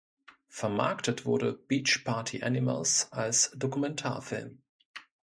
Vermarktet wurde Beach Party Animals als Dokumentarfilm.